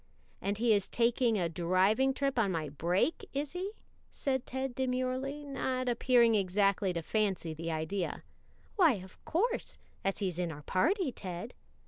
"And he is taking a driving trip on my break, is he?" said Ted demurely, and not appearing exactly to fancy the idea. "Why, of course, as he's in our party, Ted."